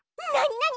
なに？